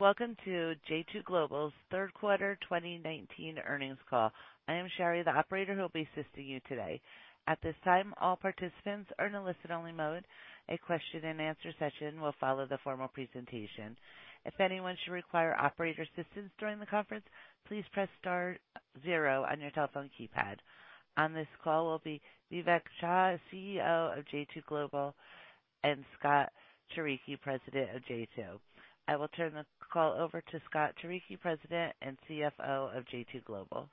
Welcome to j2 Global third quarter 2019 earnings call. I am Sherry, the operator who will be assisting you today. At this time, all participants are in a listen-only mode. A question-and-answer session will follow the formal presentation. If anyone should require operator assistance during the conference, please press star zero on your telephone keypad. On this call will be Vivek Shah, CEO of j2 Global, and Scott Turcotte, President of j2. I will turn the call over to Scott Turcotte, President and CFO of j2 Global.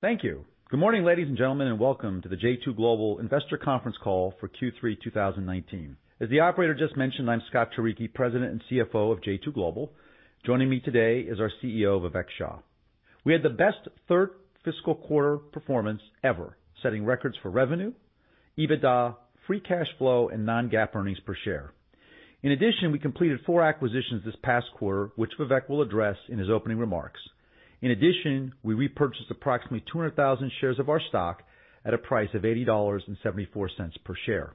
Thank you. Good morning, ladies and gentlemen, and welcome to the j2 Global Investor Conference Call for Q3 2019. As the operator just mentioned, I'm Scott Turcotte, President and CFO of j2 Global. Joining me today is our CEO, Vivek Shah. We had the best third fiscal quarter performance ever, setting records for revenue, EBITDA, free cash flow, and non-GAAP earnings per share. In addition, we completed four acquisitions this past quarter, which Vivek will address in his opening remarks. In addition, we repurchased approximately 200,000 shares of our stock at a price of $80.74 per share.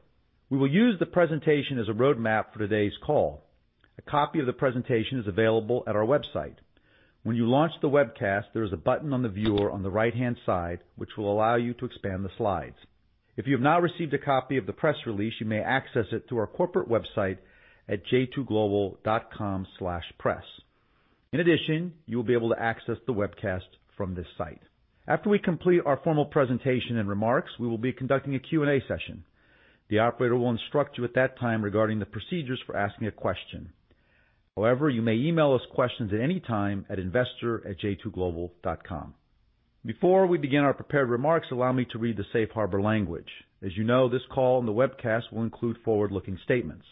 We will use the presentation as a roadmap for today's call. A copy of the presentation is available at our website. When you launch the webcast, there is a button on the viewer on the right-hand side, which will allow you to expand the slides. If you have not received a copy of the press release, you may access it through our corporate website at j2global.com/press. You will be able to access the webcast from this site. After we complete our formal presentation and remarks, we will be conducting a Q&A session. The operator will instruct you at that time regarding the procedures for asking a question. You may email us questions at any time at investor@j2global.com. Before we begin our prepared remarks, allow me to read the safe harbor language. As you know, this call and the webcast will include forward-looking statements.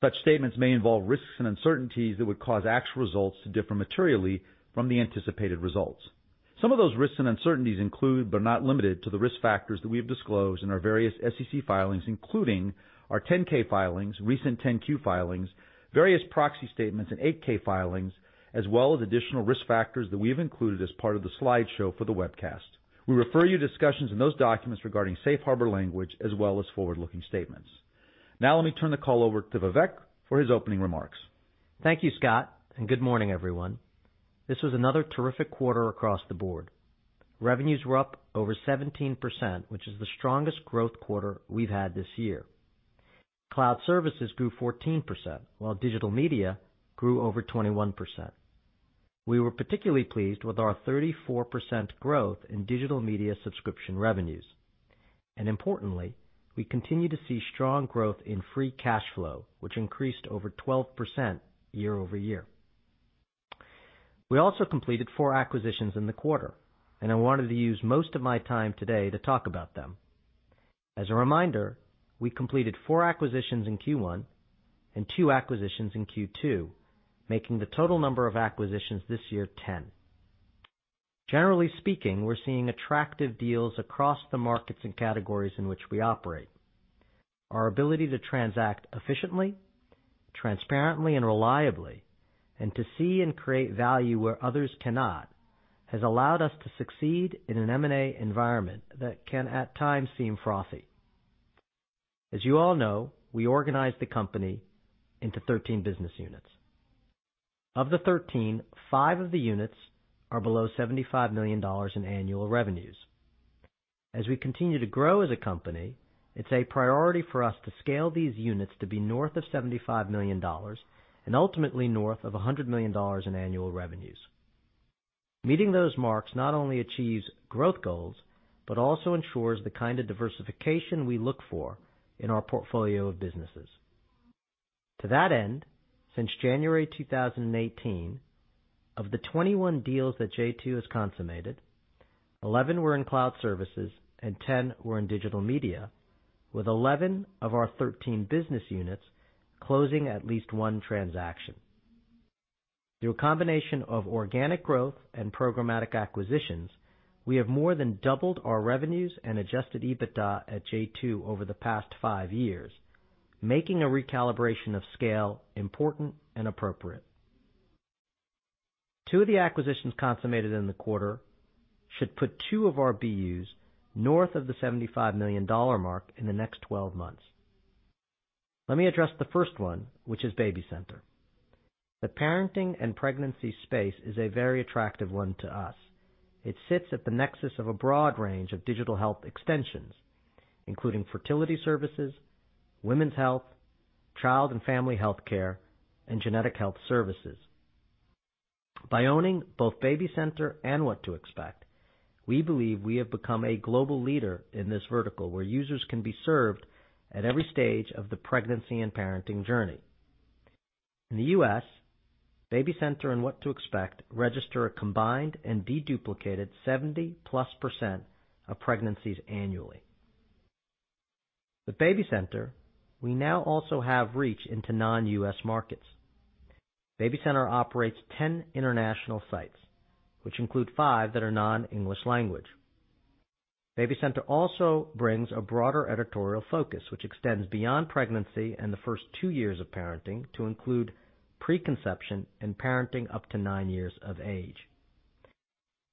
Such statements may involve risks and uncertainties that would cause actual results to differ materially from the anticipated results. Some of those risks and uncertainties include, but are not limited to, the risk factors that we have disclosed in our various SEC filings, including our 10-K filings, recent 10-Q filings, various proxy statements and 8-K filings, as well as additional risk factors that we have included as part of the slideshow for the webcast. We refer you to discussions in those documents regarding safe harbor language as well as forward-looking statements. Now, let me turn the call over to Vivek for his opening remarks. Thank you, Scott. Good morning, everyone. This was another terrific quarter across the board. Revenues were up over 17%, which is the strongest growth quarter we've had this year. Cloud services grew 14%, while digital media grew over 21%. We were particularly pleased with our 34% growth in digital media subscription revenues. Importantly, we continue to see strong growth in free cash flow, which increased over 12% year-over-year. We also completed four acquisitions in the quarter, and I wanted to use most of my time today to talk about them. As a reminder, we completed four acquisitions in Q1 and two acquisitions in Q2, making the total number of acquisitions this year 10. Generally speaking, we're seeing attractive deals across the markets and categories in which we operate. Our ability to transact efficiently, transparently, and reliably, and to see and create value where others cannot, has allowed us to succeed in an M&A environment that can at times seem frothy. As you all know, we organize the company into 13 business units. Of the 13, five of the units are below $75 million in annual revenues. As we continue to grow as a company, it's a priority for us to scale these units to be north of $75 million and ultimately north of $100 million in annual revenues. Meeting those marks not only achieves growth goals, but also ensures the kind of diversification we look for in our portfolio of businesses. To that end, since January 2018, of the 21 deals that j2 has consummated, 11 were in cloud services and 10 were in digital media, with 11 of our 13 business units closing at least one transaction. Through a combination of organic growth and programmatic acquisitions, we have more than doubled our revenues and adjusted EBITDA at j2 over the past five years, making a recalibration of scale important and appropriate. Two of the acquisitions consummated in the quarter should put two of our BUs north of the $75 million mark in the next 12 months. Let me address the first one, which is BabyCenter. The parenting and pregnancy space is a very attractive one to us. It sits at the nexus of a broad range of digital health extensions, including fertility services, women's health, child and family healthcare, and genetic health services. By owning both BabyCenter and What to Expect, we believe we have become a global leader in this vertical, where users can be served at every stage of the pregnancy and parenting journey. In the U.S., BabyCenter and What to Expect register a combined and deduplicated 70-plus% of pregnancies annually. With BabyCenter, we now also have reach into non-U.S. markets. BabyCenter operates 10 international sites, which include five that are non-English language. BabyCenter also brings a broader editorial focus, which extends beyond pregnancy and the first two years of parenting to include preconception and parenting up to nine years of age.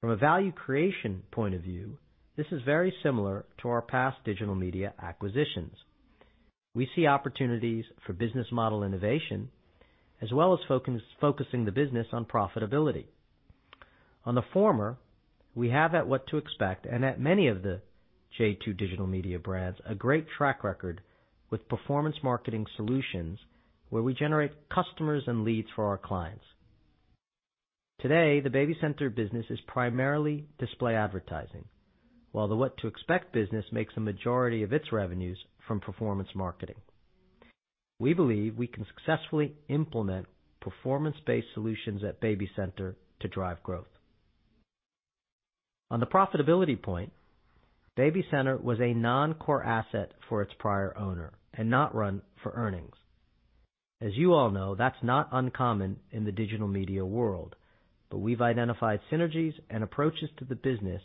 From a value creation point of view, this is very similar to our past digital media acquisitions. We see opportunities for business model innovation, as well as focusing the business on profitability. On the former, we have at What to Expect and at many of the j2 Global media brands, a great track record with performance marketing solutions where we generate customers and leads for our clients. Today, the BabyCenter business is primarily display advertising, while the What to Expect business makes a majority of its revenues from performance marketing. We believe we can successfully implement performance-based solutions at BabyCenter to drive growth. On the profitability point, BabyCenter was a non-core asset for its prior owner and not run for earnings. As you all know, that's not uncommon in the digital media world, but we've identified synergies and approaches to the business,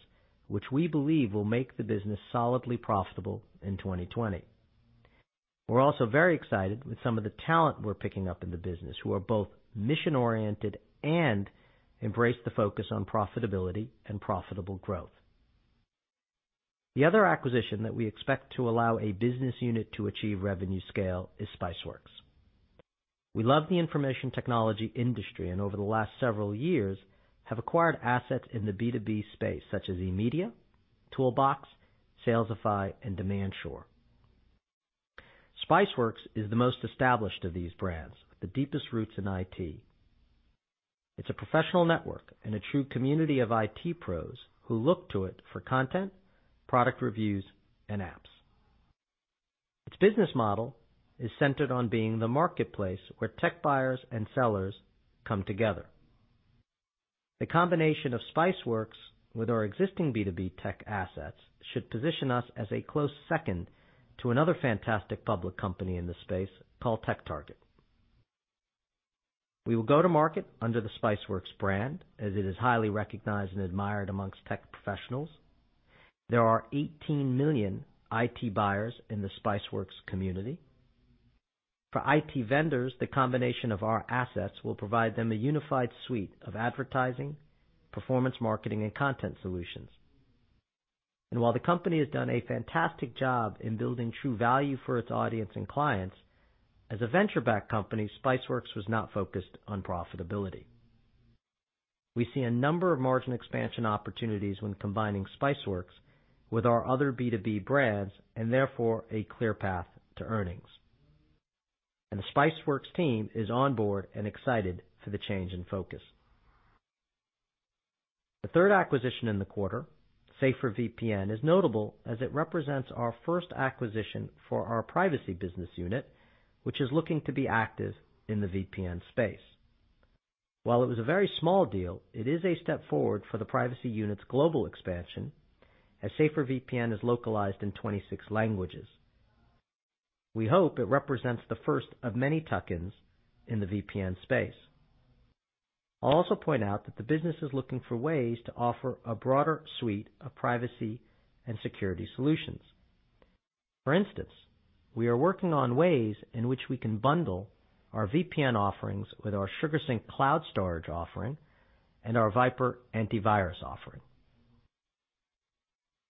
which we believe will make the business solidly profitable in 2020. We're also very excited with some of the talent we're picking up in the business, who are both mission-oriented and embrace the focus on profitability and profitable growth. The other acquisition that we expect to allow a business unit to achieve revenue scale is Spiceworks. We love the information technology industry, and over the last several years have acquired assets in the B2B space such as emedia, Toolbox, Salesify, and Demand Shore. Spiceworks is the most established of these brands with the deepest roots in IT. It's a professional network and a true community of IT pros who look to it for content, product reviews, and apps. Its business model is centered on being the marketplace where tech buyers and sellers come together. The combination of Spiceworks with our existing B2B tech assets should position us as a close second to another fantastic public company in this space called TechTarget. We will go to market under the Spiceworks brand, as it is highly recognized and admired amongst tech professionals. There are 18 million IT buyers in the Spiceworks community. For IT vendors, the combination of our assets will provide them a unified suite of advertising, performance marketing, and content solutions. While the company has done a fantastic job in building true value for its audience and clients, as a venture-backed company, Spiceworks was not focused on profitability. We see a number of margin expansion opportunities when combining Spiceworks with our other B2B brands, and therefore a clear path to earnings. The Spiceworks team is on board and excited for the change in focus. The third acquisition in the quarter, SaferVPN, is notable as it represents our first acquisition for our privacy business unit, which is looking to be active in the VPN space. While it was a very small deal, it is a step forward for the privacy unit's global expansion, as SaferVPN is localized in 26 languages. We hope it represents the first of many tuck-ins in the VPN space. I'll also point out that the business is looking for ways to offer a broader suite of privacy and security solutions. For instance, we are working on ways in which we can bundle our VPN offerings with our SugarSync cloud storage offering and our VIPRE antivirus offering.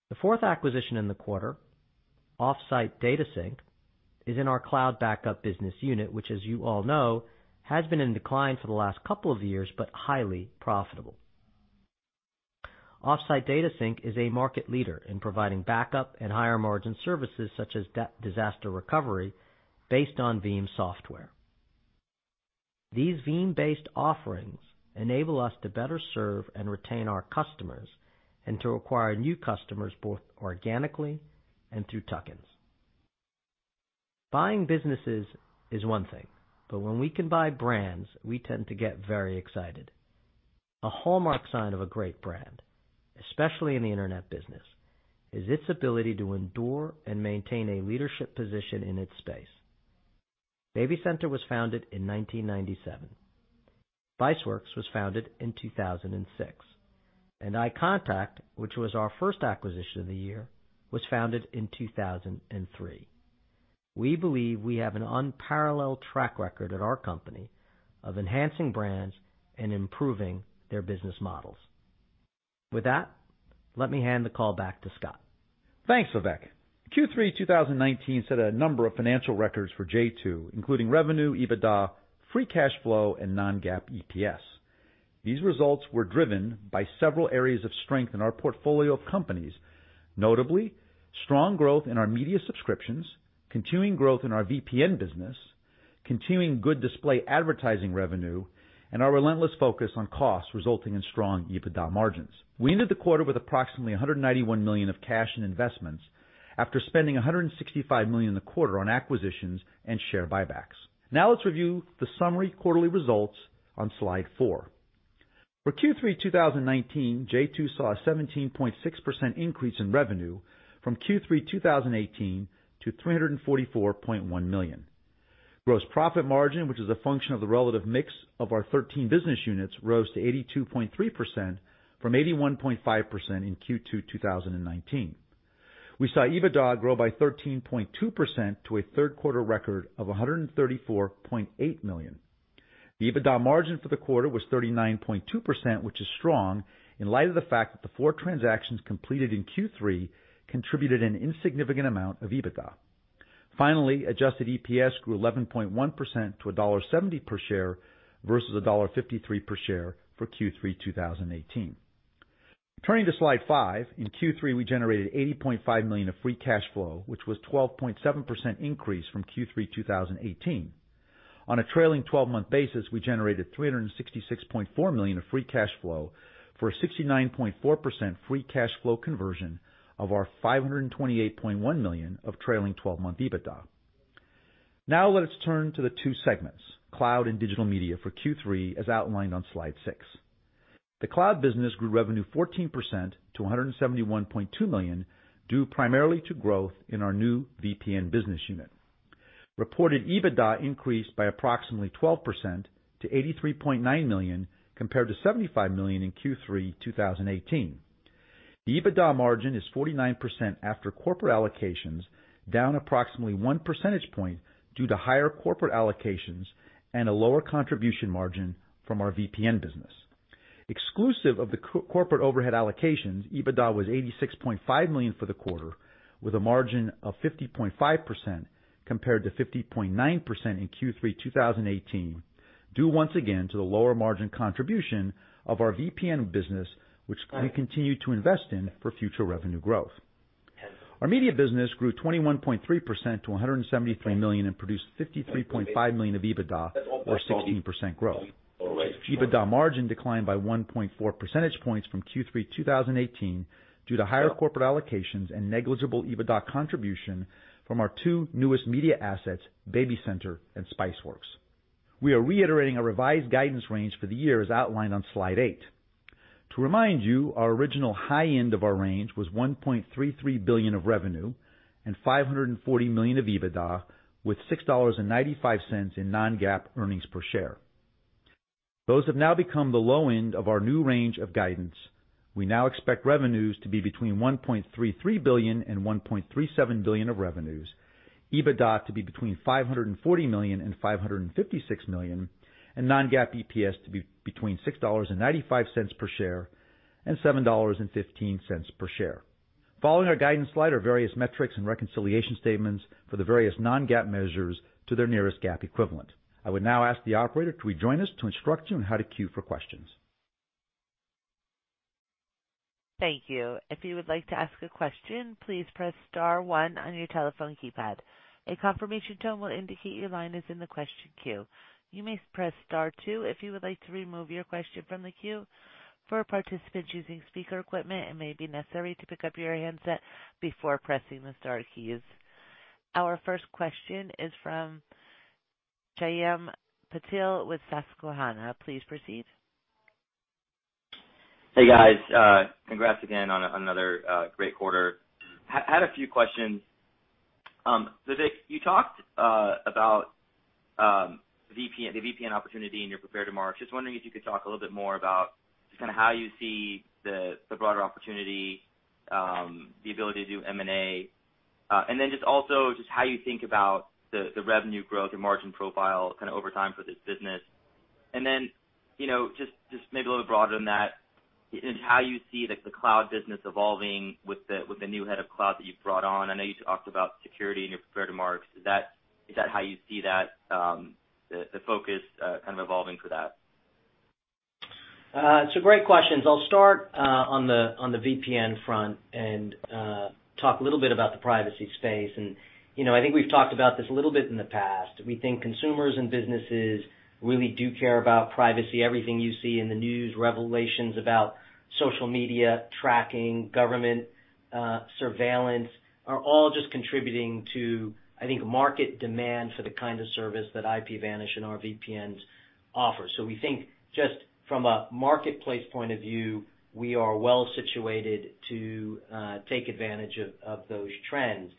The fourth acquisition in the quarter, OffsiteDataSync, is in our cloud backup business unit, which as you all know, has been in decline for the last couple of years, but highly profitable. OffsiteDataSync is a market leader in providing backup and higher-margin services such as disaster recovery based on Veeam software. These Veeam-based offerings enable us to better serve and retain our customers and to acquire new customers both organically and through tuck-ins. Buying businesses is one thing, but when we can buy brands, we tend to get very excited. A hallmark sign of a great brand, especially in the internet business, is its ability to endure and maintain a leadership position in its space. BabyCenter was founded in 1997, Spiceworks was founded in 2006, and iContact, which was our first acquisition of the year, was founded in 2003. We believe we have an unparalleled track record at our company of enhancing brands and improving their business models. With that, let me hand the call back to Scott. Thanks, Vivek. Q3 2019 set a number of financial records for j2, including revenue, EBITDA, free cash flow, and non-GAAP EPS. These results were driven by several areas of strength in our portfolio of companies, notably strong growth in our media subscriptions, continuing growth in our VPN business, continuing good display advertising revenue, and our relentless focus on costs resulting in strong EBITDA margins. We ended the quarter with approximately $191 million of cash and investments after spending $165 million in the quarter on acquisitions and share buybacks. Let's review the summary quarterly results on slide four. For Q3 2019, j2 saw a 17.6% increase in revenue from Q3 2018 to $344.1 million. Gross profit margin, which is a function of the relative mix of our 13 business units, rose to 82.3% from 81.5% in Q2 2019. We saw EBITDA grow by 13.2% to a third quarter record of $134.8 million. The EBITDA margin for the quarter was 39.2%, which is strong in light of the fact that the four transactions completed in Q3 contributed an insignificant amount of EBITDA. Finally, adjusted EPS grew 11.1% to $1.70 per share versus $1.53 per share for Q3 2018. Turning to slide five. In Q3, we generated $80.5 million of free cash flow, which was 12.7% increase from Q3 2018. On a trailing 12-month basis, we generated $366.4 million of free cash flow for a 69.4% free cash flow conversion of our $528.1 million of trailing 12-month EBITDA. Now, let us turn to the two segments, cloud and digital media for Q3, as outlined on slide six. The cloud business grew revenue 14% to $171.2 million, due primarily to growth in our new VPN business unit. Reported EBITDA increased by approximately 12% to $83.9 million, compared to $75 million in Q3 2018. The EBITDA margin is 49% after corporate allocations, down approximately one percentage point due to higher corporate allocations and a lower contribution margin from our VPN business. Exclusive of the corporate overhead allocations, EBITDA was $86.5 million for the quarter, with a margin of 50.5%, compared to 50.9% in Q3 2018, due once again to the lower margin contribution of our VPN business, which we continue to invest in for future revenue growth. Our media business grew 21.3% to $173 million and produced $53.5 million of EBITDA or 16% growth. EBITDA margin declined by 1.4 percentage points from Q3 2018 due to higher corporate allocations and negligible EBITDA contribution from our two newest media assets, BabyCenter and Spiceworks. We are reiterating our revised guidance range for the year as outlined on slide eight. To remind you, our original high end of our range was $1.33 billion of revenue and $540 million of EBITDA with $6.95 in non-GAAP earnings per share. Those have now become the low end of our new range of guidance. We now expect revenues to be between $1.33 billion and $1.37 billion of revenues, EBITDA to be between $540 million and $556 million, and non-GAAP EPS to be between $6.95 per share and $7.15 per share. Following our guidance slide are various metrics and reconciliation statements for the various non-GAAP measures to their nearest GAAP equivalent. I would now ask the operator to join us to instruct you on how to queue for questions. Thank you. If you would like to ask a question, please press star one on your telephone keypad. A confirmation tone will indicate your line is in the question queue. You may press star two if you would like to remove your question from the queue. For participants using speaker equipment, it may be necessary to pick up your handset before pressing the star keys. Our first question is from Shyam Patil with Susquehanna. Please proceed. Hey, guys. Congrats again on another great quarter. Had a few questions. Vivek, you talked about the VPN opportunity in your prepared remarks. Just wondering if you could talk a little bit more about just how you see the broader opportunity, the ability to do M&A. Just also, just how you think about the revenue growth and margin profile over time for this business. Just maybe a little broader than that, in how you see the cloud business evolving with the new head of cloud that you've brought on. I know you talked about security in your prepared remarks. Is that how you see the focus evolving for that? Great questions. I'll start on the VPN front and talk a little bit about the privacy space. I think we've talked about this a little bit in the past. We think consumers and businesses really do care about privacy. Everything you see in the news, revelations about social media, tracking, government surveillance, are all just contributing to, I think, market demand for the kind of service that IPVanish and our VPNs offer. We think just from a marketplace point of view, we are well-situated to take advantage of those trends.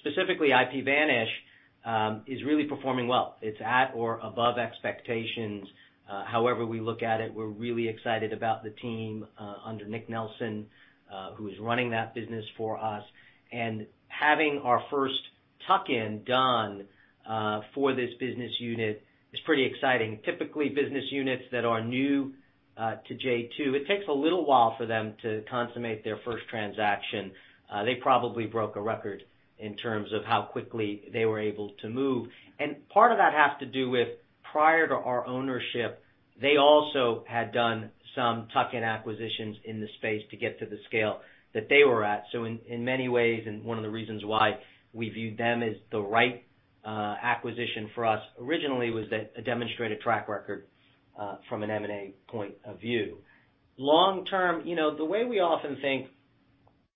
Specifically, IPVanish is really performing well. It's at or above expectations. However we look at it, we're really excited about the team under Nick Nelson, who is running that business for us. Having our first tuck-in done for this business unit is pretty exciting. Typically, business units that are new to j2, it takes a little while for them to consummate their first transaction. They probably broke a record in terms of how quickly they were able to move. Part of that has to do with, prior to our ownership, they also had done some tuck-in acquisitions in the space to get to the scale that they were at. In many ways, and one of the reasons why we viewed them as the right acquisition for us originally was a demonstrated track record from an M&A point of view. Long term, the way we often think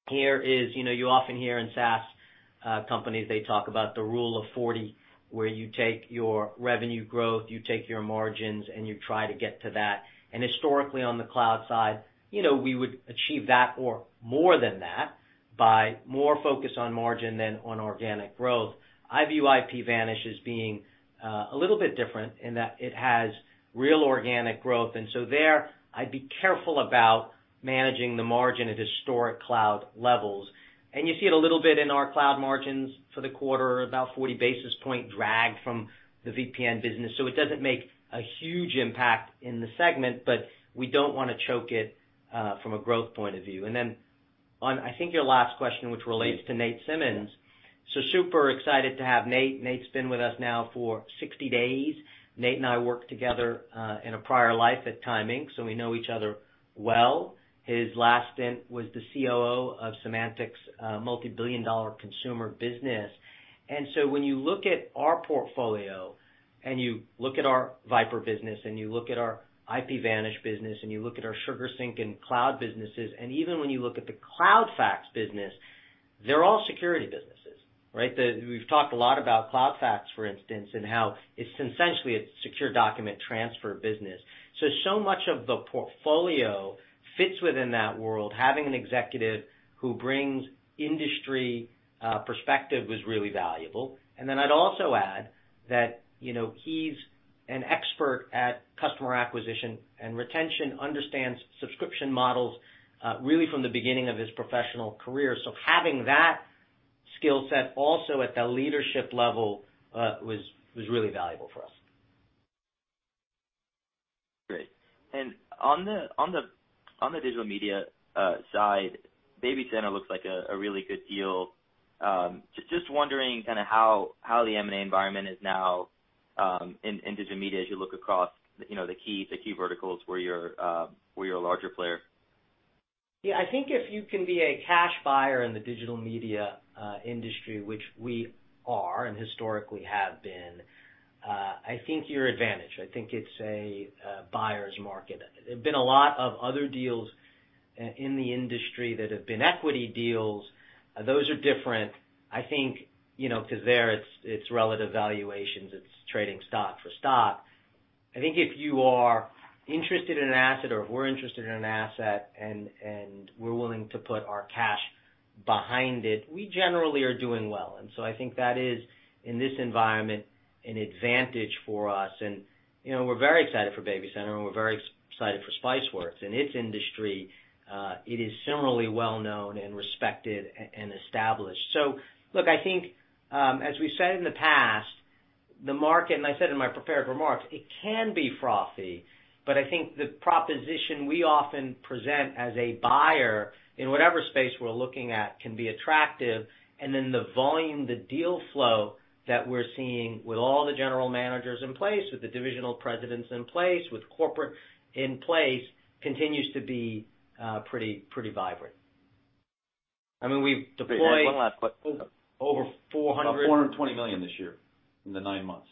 here is, you often hear in SaaS companies, they talk about the rule of 40, where you take your revenue growth, you take your margins, and you try to get to that. Historically, on the cloud side, we would achieve that or more than that by more focus on margin than on organic growth. I view IPVanish as being a little bit different in that it has real organic growth. There, I'd be careful about. Managing the margin at historic cloud levels. You see it a little bit in our cloud margins for the quarter, about 40 basis point drag from the VPN business. It doesn't make a huge impact in the segment, but we don't want to choke it from a growth point of view. Then on, I think your last question, which relates to Nate Simmons. Super excited to have Nate. Nate's been with us now for 60 days. Nate and I worked together in a prior life at Time Inc. We know each other well. His last stint was the COO of Symantec's multibillion-dollar consumer business. When you look at our portfolio, and you look at our VIPRE business, and you look at our IPVanish business, and you look at our SugarSync and cloud businesses, and even when you look at the eFax business, they're all security businesses, right? We've talked a lot about eFax, for instance, and how it's essentially a secure document transfer business. So much of the portfolio fits within that world. Having an executive who brings industry perspective was really valuable. I'd also add that he's an expert at customer acquisition and retention, understands subscription models really from the beginning of his professional career. Having that skill set also at the leadership level was really valuable for us. Great. On the digital media side, BabyCenter looks like a really good deal. Just wondering kind of how the M&A environment is now in digital media as you look across the key verticals where you're a larger player. I think if you can be a cash buyer in the digital media industry, which we are and historically have been, I think you're advantaged. I think it's a buyer's market. There've been a lot of other deals in the industry that have been equity deals. Those are different, I think, because there it's relative valuations. It's trading stock for stock. I think if you are interested in an asset or if we're interested in an asset and we're willing to put our cash behind it, we generally are doing well. I think that is, in this environment, an advantage for us. We're very excited for BabyCenter, and we're very excited for Spiceworks. In its industry, it is similarly well-known and respected and established. Look, I think, as we've said in the past, the market, and I said in my prepared remarks, it can be frothy. I think the proposition we often present as a buyer in whatever space we're looking at can be attractive. The volume, the deal flow that we're seeing with all the general managers in place, with the divisional presidents in place, with corporate in place, continues to be pretty vibrant. One last question. over 400- About $420 million this year in the nine months.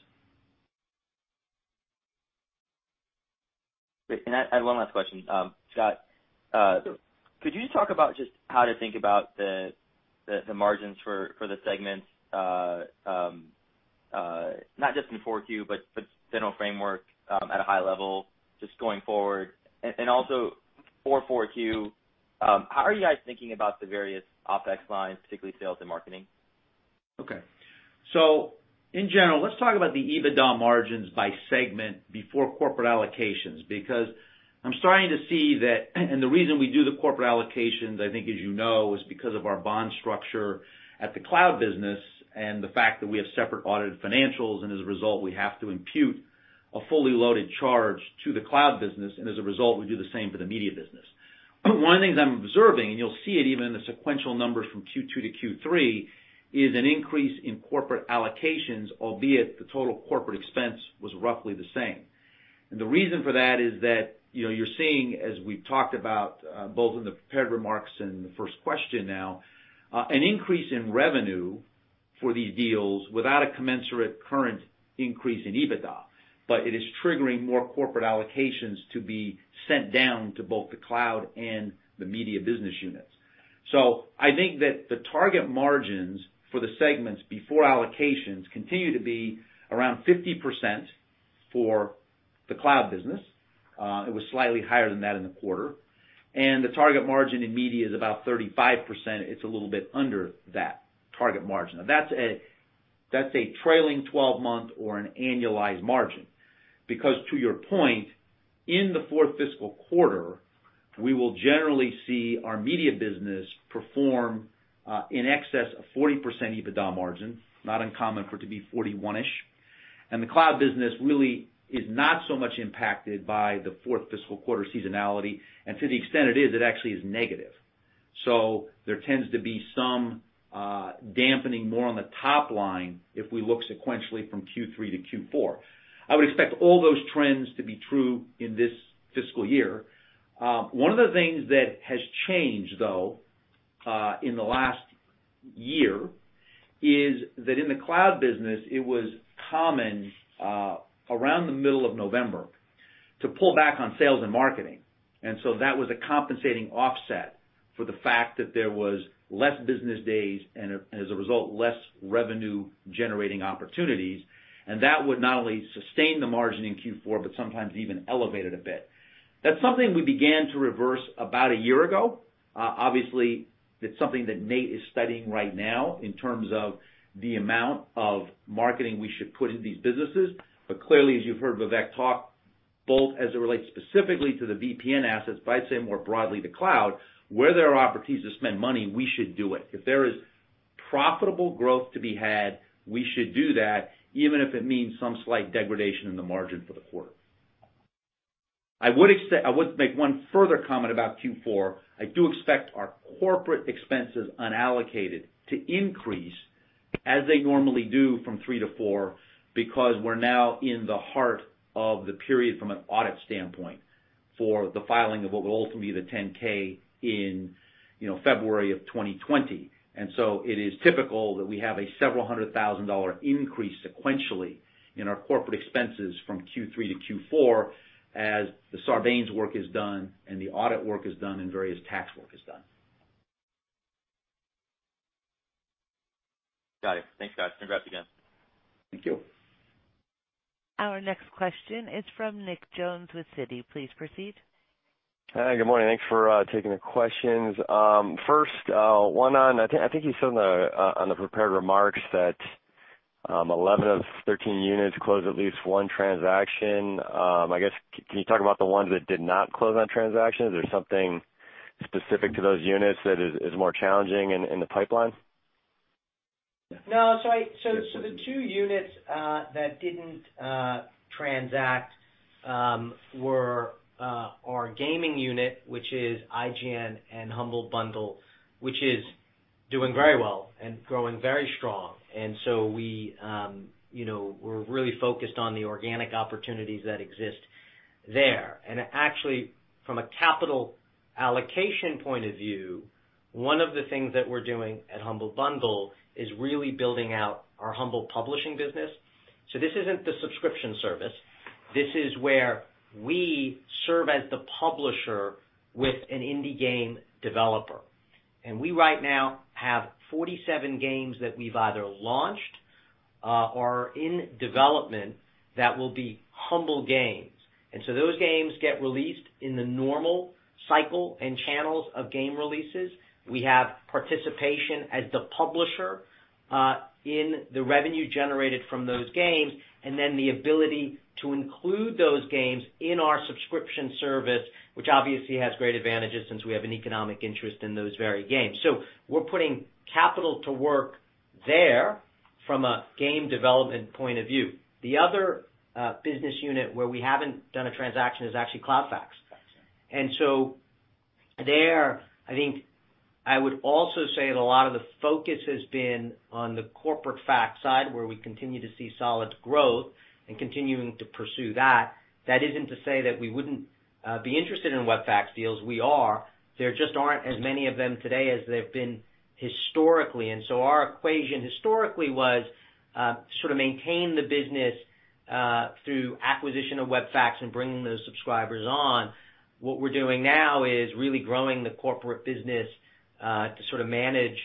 One last question. Scott, could you just talk about just how to think about the margins for the segments not just in 4Q, but general framework at a high level just going forward. Also for 4Q, how are you guys thinking about the various OpEx lines, particularly sales and marketing? Okay. In general, let's talk about the EBITDA margins by segment before corporate allocations, because the reason we do the corporate allocations, I think as you know, is because of our bond structure at the cloud business and the fact that we have separate audited financials, and as a result, we have to impute a fully loaded charge to the cloud business, and as a result, we do the same for the media business. One of the things I'm observing, and you'll see it even in the sequential numbers from Q2 to Q3, is an increase in corporate allocations, albeit the total corporate expense was roughly the same. The reason for that is that you're seeing, as we've talked about both in the prepared remarks and the first question now, an increase in revenue for these deals without a commensurate current increase in EBITDA. It is triggering more corporate allocations to be sent down to both the cloud and the media business units. I think that the target margins for the segments before allocations continue to be around 50% for the cloud business. It was slightly higher than that in the quarter. The target margin in media is about 35%. It's a little bit under that target margin. Now that's a trailing 12-month or an annualized margin. To your point, in the fourth fiscal quarter, we will generally see our media business perform in excess of 40% EBITDA margin, not uncommon for it to be 41-ish. The cloud business really is not so much impacted by the fourth fiscal quarter seasonality. To the extent it is, it actually is negative. There tends to be some dampening more on the top line if we look sequentially from Q3 to Q4. I would expect all those trends to be true in this fiscal year. One of the things that has changed, though, in the last year is that in the cloud business, it was common around the middle of November to pull back on sales and marketing. That was a compensating offset for the fact that there was less business days and as a result, less revenue-generating opportunities. That would not only sustain the margin in Q4, but sometimes even elevate it a bit. That's something we began to reverse about a year ago. Obviously, it's something that Nate is studying right now in terms of the amount of marketing we should put in these businesses. Clearly, as you've heard Vivek talk Both as it relates specifically to the VPN assets, but I'd say more broadly, the cloud, where there are opportunities to spend money, we should do it. If there is profitable growth to be had, we should do that, even if it means some slight degradation in the margin for the quarter. I would make one further comment about Q4. I do expect our corporate expenses unallocated to increase as they normally do from three to four, because we're now in the heart of the period from an audit standpoint for the filing of what will ultimately be the 10-K in February of 2020. It is typical that we have a $several hundred thousand increase sequentially in our corporate expenses from Q3 to Q4 as the Sarbanes-Oxley work is done and the audit work is done and various tax work is done. Got it. Thanks, guys. Congrats again. Thank you. Our next question is from Nicholas Jones with Citi. Please proceed. Hi, good morning. Thanks for taking the questions. First, I think you said on the prepared remarks that 11 of 13 units closed at least one transaction. I guess, can you talk about the ones that did not close on transactions? Is there something specific to those units that is more challenging in the pipeline? No. The two units that didn't transact, were our gaming unit, which is IGN and Humble Bundle, which is doing very well and growing very strong. We're really focused on the organic opportunities that exist there. Actually, from a capital allocation point of view, one of the things that we're doing at Humble Bundle is really building out our Humble publishing business. This isn't the subscription service. This is where we serve as the publisher with an indie game developer. We right now have 47 games that we've either launched or are in development that will be Humble games. Those games get released in the normal cycle and channels of game releases. We have participation as the publisher, in the revenue generated from those games, then the ability to include those games in our subscription service, which obviously has great advantages since we have an economic interest in those very games. We're putting capital to work there from a game development point of view. The other business unit where we haven't done a transaction is actually CloudFax. There, I think I would also say that a lot of the focus has been on the corporate fax side, where we continue to see solid growth and continuing to pursue that. That isn't to say that we wouldn't be interested in web fax deals. We are. There just aren't as many of them today as there have been historically. Our equation historically was, sort of maintain the business, through acquisition of web fax and bringing those subscribers on. What we're doing now is really growing the corporate business to sort of manage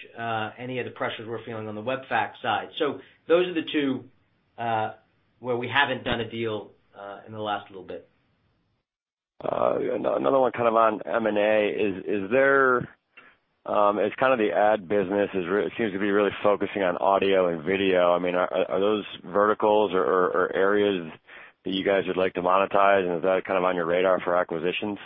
any of the pressures we're feeling on the eFax side. Those are the two where we haven't done a deal in the last little bit. Another one kind of on M&A. It's kind of the ad business, it seems to be really focusing on audio and video. Are those verticals or areas that you guys would like to monetize, and is that kind of on your radar for acquisitions?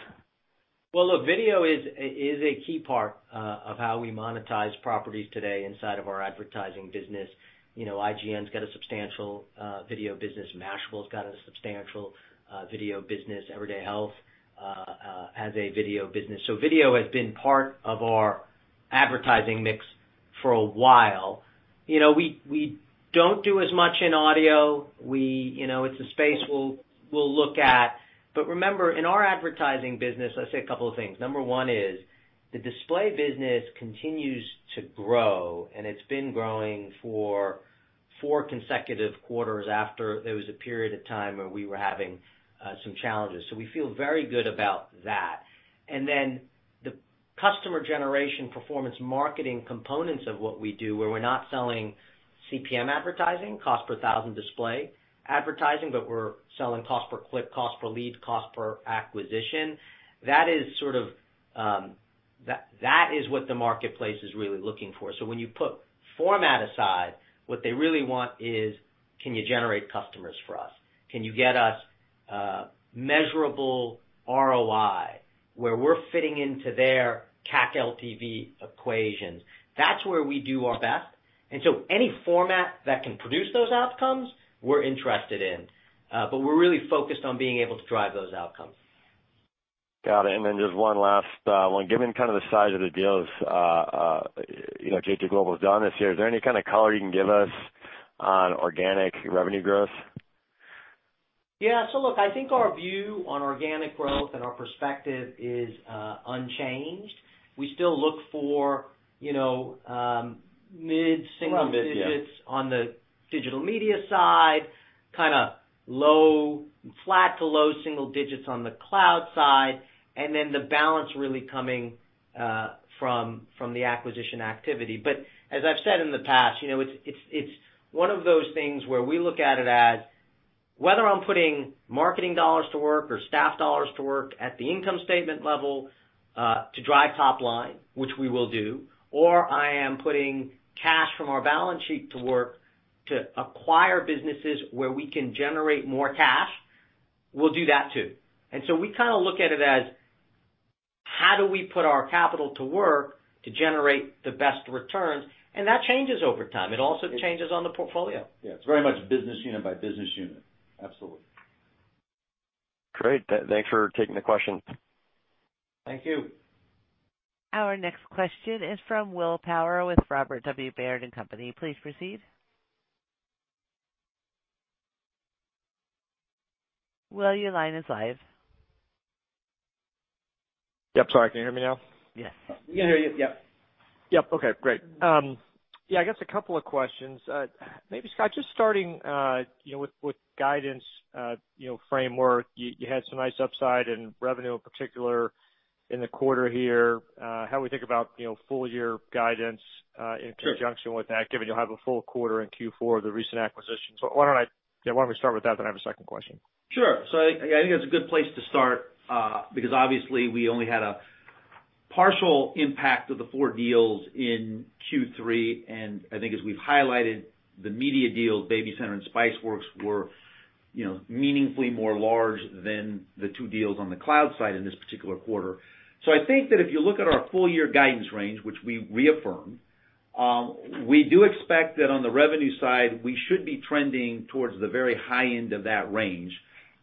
Look, video is a key part of how we monetize properties today inside of our advertising business. IGN's got a substantial video business. Mashable's got a substantial video business. Everyday Health has a video business. Video has been part of our advertising mix for a while. We don't do as much in audio. It's a space we'll look at. Remember, in our advertising business, I'd say a couple of things. Number one is the display business continues to grow, and it's been growing for four consecutive quarters after there was a period of time where we were having some challenges. We feel very good about that. The customer generation performance marketing components of what we do, where we're not selling CPM advertising, cost per 1,000 display advertising, we're selling cost per click, cost per lead, cost per acquisition. That is what the marketplace is really looking for. When you put format aside, what they really want is. Can you generate customers for us? Can you get us measurable ROI, where we're fitting into their CAC LTV equations? That's where we do our best. Any format that can produce those outcomes, we're interested in. We're really focused on being able to drive those outcomes. Got it. Then just one last one. Given kind of the size of the deals j2 Global's done this year, is there any kind of color you can give us on organic revenue growth? Yeah. Look, I think our view on organic growth and our perspective is unchanged. We still look for mid-single digits- Around mid, yeah. On the digital media side, kind of flat to low single digits on the cloud side, the balance really coming from the acquisition activity. As I've said in the past, it's one of those things where we look at it as whether I'm putting marketing dollars to work or staff dollars to work at the income statement level, to drive top line, which we will do, or I am putting cash from our balance sheet to work to acquire businesses where we can generate more cash, we'll do that, too. We look at it as how do we put our capital to work to generate the best returns, and that changes over time. It also changes on the portfolio. Yeah. It's very much business unit by business unit. Absolutely. Great. Thanks for taking the question. Thank you. Our next question is from William Power with Robert W. Baird & Co.. Please proceed. Will, your line is live. Yep, sorry. Can you hear me now? Yes. We can hear you, yep. Yep. Okay, great. Yeah, I guess a couple of questions. Maybe, Scott, just starting with guidance framework. You had some nice upside in revenue in particular in the quarter here. How do we think about full year guidance? Sure in conjunction with that, given you'll have a full quarter in Q4, the recent acquisitions. Why don't we start with that, then I have a second question. Sure. I think that's a good place to start, because obviously we only had a partial impact of the four deals in Q3, and I think as we've highlighted, the media deals, BabyCenter and Spiceworks, were meaningfully more large than the two deals on the cloud side in this particular quarter. I think that if you look at our full year guidance range, which we reaffirm, we do expect that on the revenue side, we should be trending towards the very high end of that range,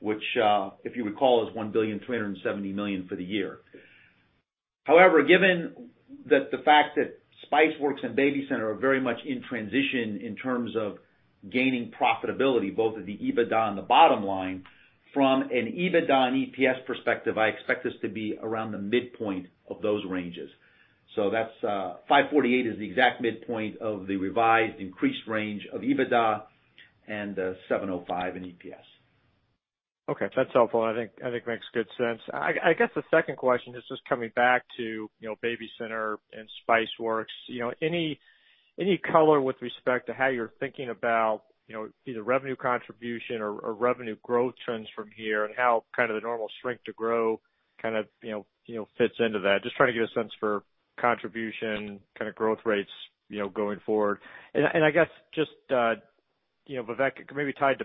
which, if you recall, is $1,370,000,000 for the year. However, given that the fact that Spiceworks and BabyCenter are very much in transition in terms of gaining profitability, both at the EBITDA and the bottom line, from an EBITDA and EPS perspective, I expect this to be around the midpoint of those ranges. That's $548 is the exact midpoint of the revised increased range of EBITDA and $705 in EPS. Okay. That's helpful, and I think makes good sense. I guess the second question is just coming back to BabyCenter and Spiceworks. Any color with respect to how you're thinking about either revenue contribution or revenue growth trends from here, and how the normal strength to grow fits into that, just trying to get a sense for contribution, growth rates going forward. I guess just, Vivek, maybe tied to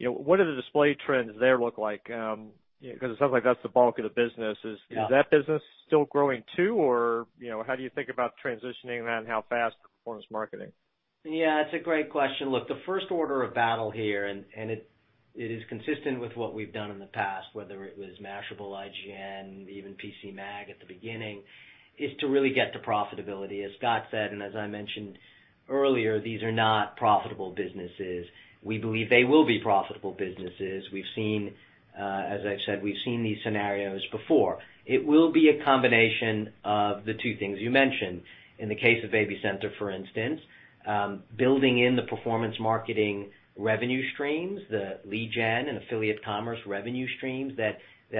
BabyCenter, what do the display trends there look like? It sounds like that's the bulk of the business. Yeah. Is that business still growing, too? How do you think about transitioning that and how fast performance marketing? Yeah, it's a great question. Look, the first order of battle here, and it is consistent with what we've done in the past, whether it was Mashable, IGN, even PCMag at the beginning, is to really get to profitability. As Scott said, and as I mentioned earlier, these are not profitable businesses. We believe they will be profitable businesses. As I've said, we've seen these scenarios before. It will be a combination of the two things you mentioned. In the case of BabyCenter, for instance, building in the performance marketing revenue streams, the lead gen and affiliate commerce revenue streams that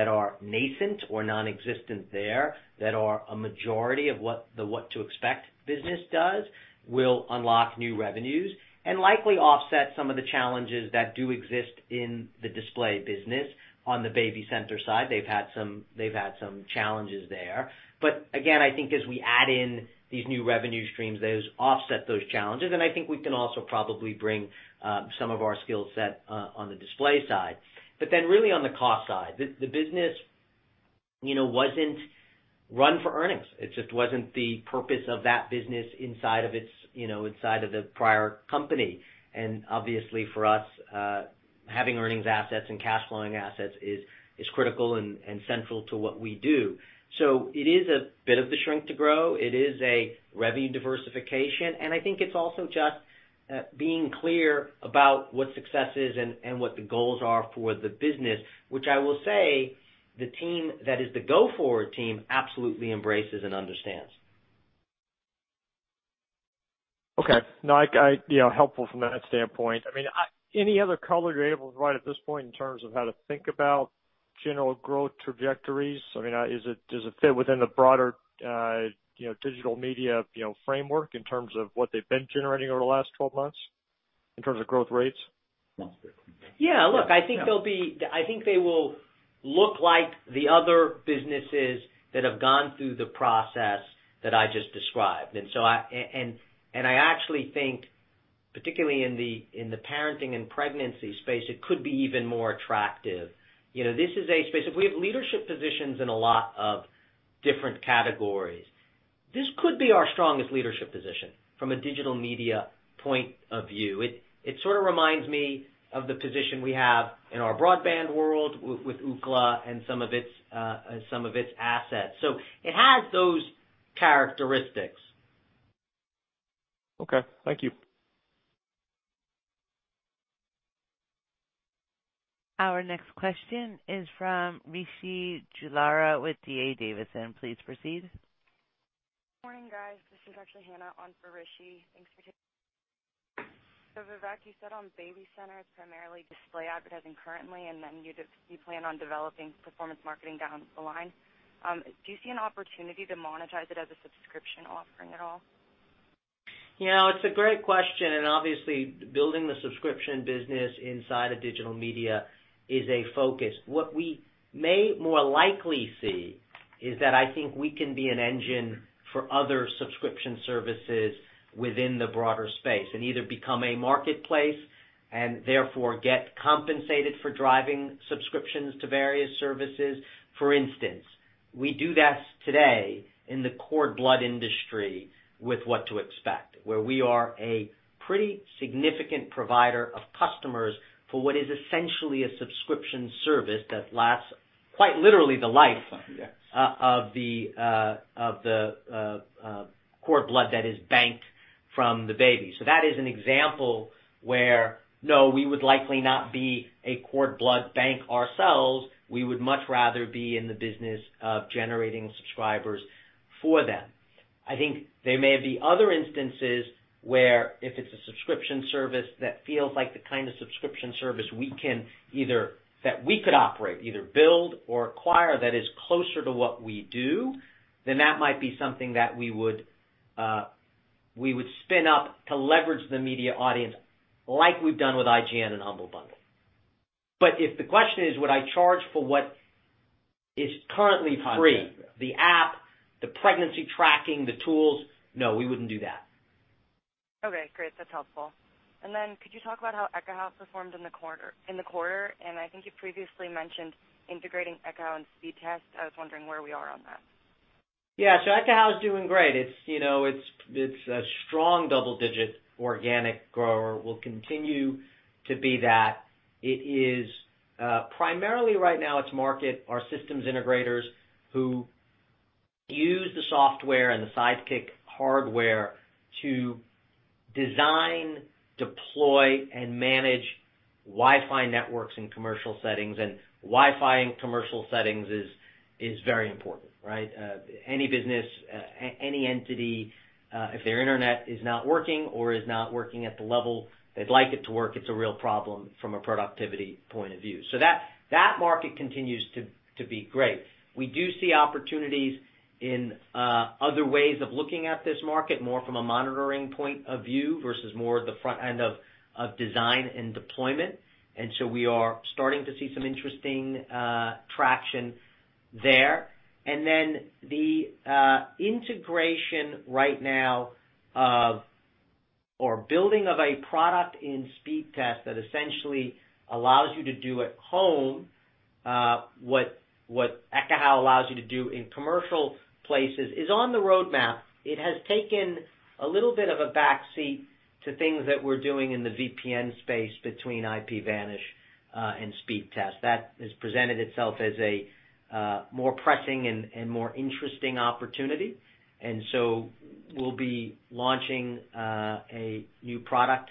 are nascent or non-existent there, that are a majority of what the What to Expect business does, will unlock new revenues and likely offset some of the challenges that do exist in the display business. On the BabyCenter side, they've had some challenges there. Again, I think as we add in these new revenue streams, those offset those challenges, and I think we can also probably bring some of our skill set on the display side. Really on the cost side, the business wasn't run for earnings. It just wasn't the purpose of that business inside of the prior company. Obviously for us, having earnings assets and cash flowing assets is critical and central to what we do. It is a bit of the shrink to grow. It is a revenue diversification, and I think it's also just being clear about what success is and what the goals are for the business, which I will say the team that is the go-forward team absolutely embraces and understands. Okay. No, helpful from that standpoint. Any other color you're able to provide at this point in terms of how to think about general growth trajectories? Does it fit within the broader digital media framework in terms of what they've been generating over the last 12 months in terms of growth rates? That's good. Yeah. Look, I think they will look like the other businesses that have gone through the process that I just described. I actually think, particularly in the parenting and pregnancy space, it could be even more attractive. We have leadership positions in a lot of different categories. This could be our strongest leadership position from a digital media point of view. It sort of reminds me of the position we have in our broadband world with Ookla and some of its assets. It has those characteristics. Okay. Thank you. Our next question is from Rishi Jaluria with D.A. Davidson. Please proceed. Morning, guys. This is actually Hannah on for Rishi. Vivek, you said on BabyCenter, it's primarily display advertising currently, and then you plan on developing performance marketing down the line. Do you see an opportunity to monetize it as a subscription offering at all? It's a great question. Obviously, building the subscription business inside of digital media is a focus. What we may more likely see is that I think we can be an engine for other subscription services within the broader space and either become a marketplace and therefore get compensated for driving subscriptions to various services. For instance, we do that today in the cord blood industry with What to Expect, where we are a pretty significant provider of customers for what is essentially a subscription service that lasts quite literally the life-. Yes of the cord blood that is banked from the baby. That is an example where, no, we would likely not be a cord blood bank ourselves. We would much rather be in the business of generating subscribers for them. I think there may be other instances where if it's a subscription service that feels like the kind of subscription service that we could operate, either build or acquire, that is closer to what we do, that might be something that we would spin up to leverage the media audience like we've done with IGN and Humble Bundle. If the question is would I charge for what is currently free- Gotcha the app, the pregnancy tracking, the tools, no, we wouldn't do that. Okay, great. That's helpful. Could you talk about how Ekahau performed in the quarter? I think you previously mentioned integrating Ekahau and Speedtest. I was wondering where we are on that. Yeah. Ekahau is doing great. It's a strong double-digit organic grower, will continue to be that. Primarily right now, its market are systems integrators who use the software and the Sidekick hardware to design, deploy, and manage Wi-Fi networks in commercial settings, and Wi-Fi in commercial settings is very important, right? Any business, any entity, if their internet is not working or is not working at the level they'd like it to work, it's a real problem from a productivity point of view. That market continues to be great. We do see opportunities in other ways of looking at this market, more from a monitoring point of view versus more the front end of design and deployment. We are starting to see some interesting traction there. The integration right now or building of a product in Speedtest that essentially allows you to do at home what Ekahau allows you to do in commercial places is on the roadmap. It has taken a little bit of a back seat to things that we're doing in the VPN space between IPVanish and Speedtest. That has presented itself as a more pressing and more interesting opportunity. We'll be launching a new product,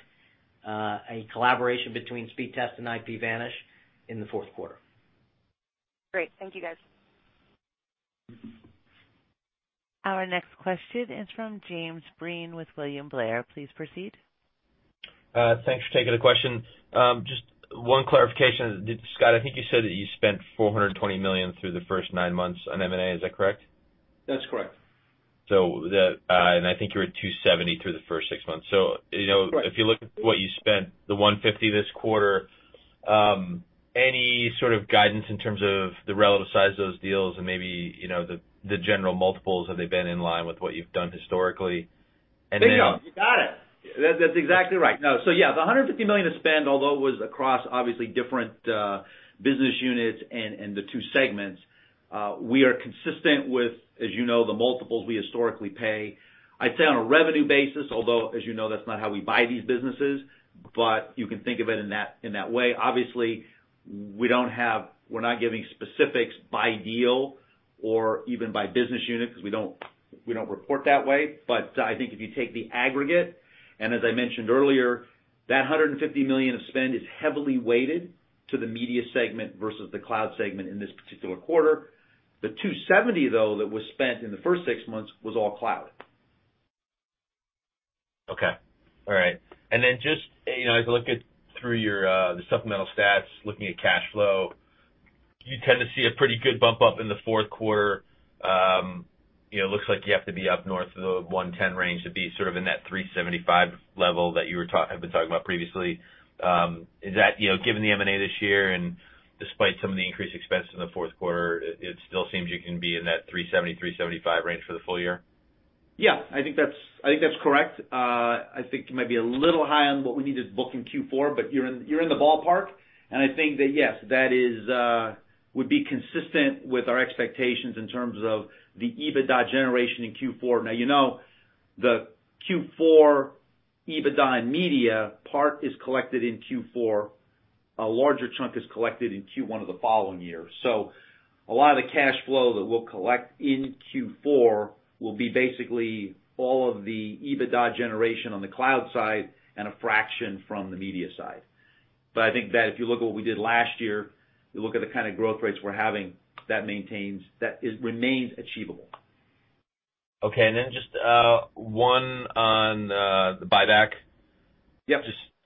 a collaboration between Speedtest and IPVanish in the fourth quarter. Great. Thank you, guys. Our next question is from James Breen with William Blair. Please proceed. Thanks for taking the question. Just one clarification. Scott, I think you said that you spent $420 million through the first nine months on M&A. Is that correct? That's correct. I think you were at $270 through the first six months. Correct. If you look at what you spent, the $150 this quarter, any sort of guidance in terms of the relative size of those deals and maybe the general multiples? Have they been in line with what you've done historically? You got it. That's exactly right. Yeah, the $150 million of spend, although it was across obviously different business units and the two segments, we are consistent with, as you know, the multiples we historically pay, I'd say, on a revenue basis, although, as you know, that's not how we buy these businesses. You can think of it in that way. Obviously, we're not giving specifics by deal or even by business unit because we don't report that way. I think if you take the aggregate, and as I mentioned earlier, that $150 million of spend is heavily weighted to the media segment versus the cloud segment in this particular quarter. The $270, though, that was spent in the first six months was all cloud. Okay. All right. Just as I look at through the supplemental stats, looking at cash flow, you tend to see a pretty good bump up in the fourth quarter. Looks like you have to be up north of the $110 range to be sort of in that $375 level that you have been talking about previously. Given the M&A this year and despite some of the increased expenses in the fourth quarter, it still seems you can be in that $370-$375 range for the full year? Yeah, I think that's correct. I think you might be a little high on what we need to book in Q4, you're in the ballpark. I think that, yes, that would be consistent with our expectations in terms of the EBITDA generation in Q4. Now, you know the Q4 EBITDA in media part is collected in Q4. A larger chunk is collected in Q1 of the following year. A lot of the cash flow that we'll collect in Q4 will be basically all of the EBITDA generation on the cloud side and a fraction from the media side. I think that if you look at what we did last year, you look at the kind of growth rates we're having, that remains achievable. Okay. Just one on the buyback. Yep.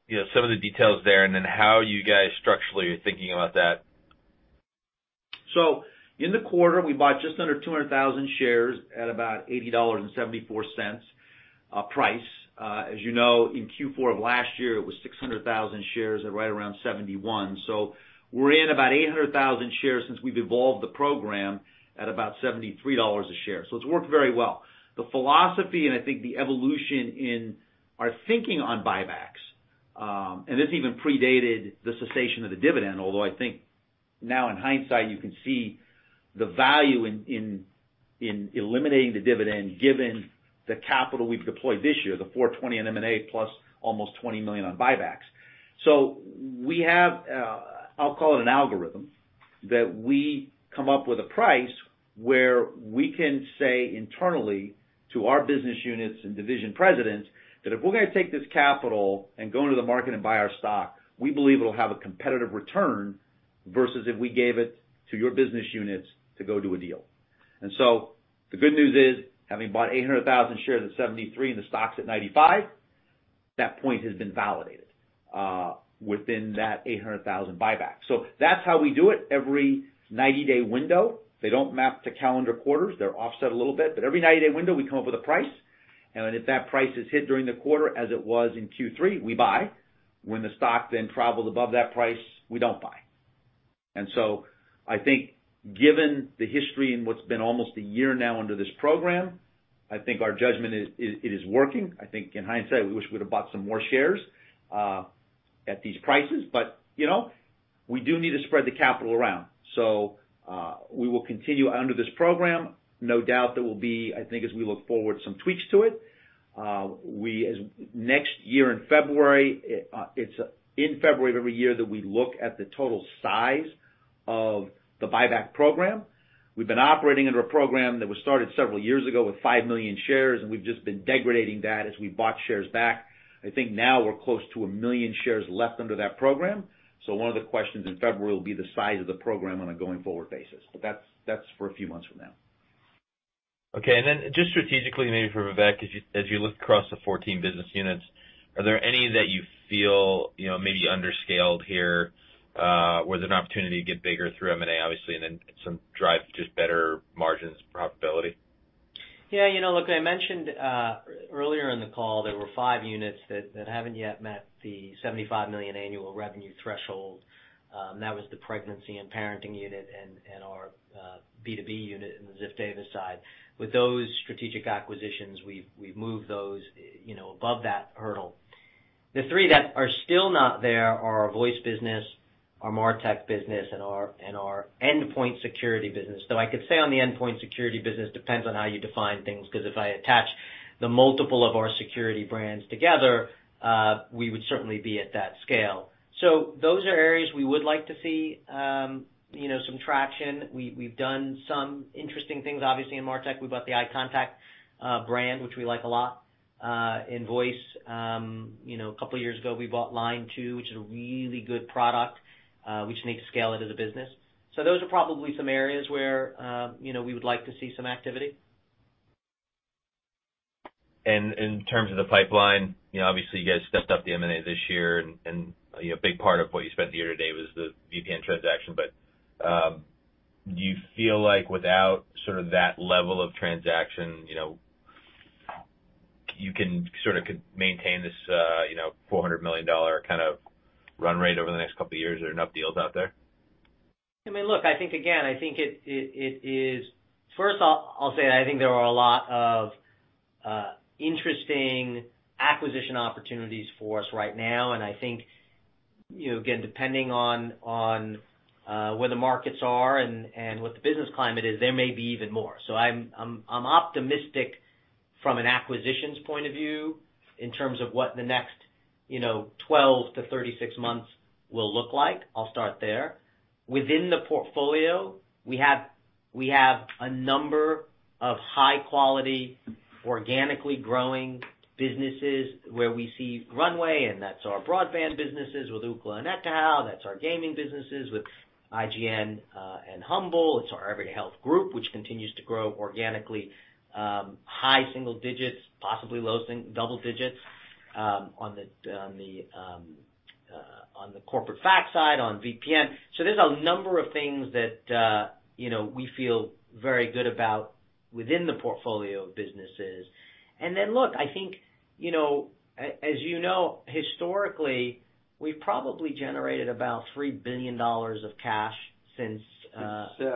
Just some of the details there and then how you guys structurally are thinking about that. In the quarter, we bought just under 200,000 shares at about $80.74. As you know, in Q4 of last year, it was 600,000 shares at right around $71. We're in about 800,000 shares since we've evolved the program at about $73 a share. It's worked very well. The philosophy, and I think the evolution in our thinking on buybacks, and this even predated the cessation of the dividend, although I think now in hindsight, you can see the value in eliminating the dividend, given the capital we've deployed this year, the $420 million on M&A plus almost $20 million on buybacks. We have, I'll call it an algorithm, that we come up with a price where we can say internally to our business units and division presidents that if we're going to take this capital and go into the market and buy our stock, we believe it'll have a competitive return versus if we gave it to your business units to go do a deal. The good news is, having bought 800,000 shares at $73 and the stock's at $95, that point has been validated within that 800,000 buyback. That's how we do it every 90-day window. They don't map to calendar quarters. They're offset a little bit. Every 90-day window, we come up with a price. If that price is hit during the quarter, as it was in Q3, we buy. When the stock travels above that price, we don't buy. I think given the history and what's been almost a year now under this program, I think our judgment is, it is working. I think in hindsight, we wish we would've bought some more shares at these prices, but we do need to spread the capital around. We will continue under this program. No doubt there will be, I think as we look forward, some tweaks to it. Next year in February. It's in February of every year that we look at the total size of the buyback program. We've been operating under a program that was started several years ago with 5 million shares, and we've just been degrading that as we bought shares back. I think now we're close to a million shares left under that program. One of the questions in February will be the size of the program on a going forward basis. That's for a few months from now. Okay. Then just strategically, maybe for Vivek, as you look across the 14 business units, are there any that you feel maybe under-scaled here, where there's an opportunity to get bigger through M&A, obviously, and then drive just better margins, profitability? Look, I mentioned earlier in the call there were five units that haven't yet met the $75 million annual revenue threshold. That was the pregnancy and parenting unit and our B2B unit in the Ziff Davis side. With those strategic acquisitions, we've moved those above that hurdle. The three that are still not there are our voice business, our MarTech business, and our endpoint security business. I could say on the endpoint security business, depends on how you define things, because if I attach the multiple of our security brands together, we would certainly be at that scale. Those are areas we would like to see some traction. We've done some interesting things, obviously, in MarTech. We bought the iContact brand, which we like a lot. In voice, a couple of years ago, we bought Line2, which is a really good product. We just need to scale it as a business. Those are probably some areas where we would like to see some activity. In terms of the pipeline, obviously you guys stepped up the M&A this year and a big part of what you spent year to date was the VPN transaction. Do you feel like without sort of that level of transaction, you can sort of maintain this $400 million kind of run rate over the next couple of years? Are there enough deals out there? I mean, look, I think, again, I think there are a lot of interesting acquisition opportunities for us right now, and I think, again, depending on where the markets are and what the business climate is, there may be even more. I'm optimistic from an acquisitions point of view in terms of what the next 12 to 36 months will look like. I'll start there. Within the portfolio, we have a number of high-quality, organically growing businesses where we see runway, That's our broadband businesses with Ookla and NETGEAR. That's our gaming businesses with IGN and Humble. It's our Everyday Health Group, which continues to grow organically, high single digits, possibly low double digits on the corporate fact side, on VPN. There's a number of things that we feel very good about within the portfolio of businesses. Look, I think as you know, historically, we've probably generated about $3 billion of cash since. Since